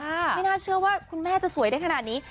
ไม่น่าเชื่อว่าคุณแม่จะสวยได้ขนาดนี้